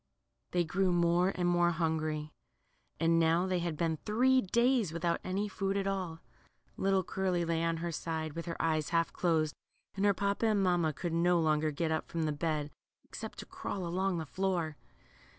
They grew more and naore hungry, and now they had been three days without any food at all. Little Curly lay on her side, with her eyes half closed, and her papa and mamma could no longer get up from the bed, except to crawl along the floor.